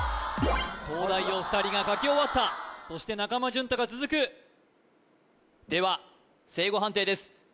東大王２人が書き終わったそして中間淳太が続くでは正誤判定です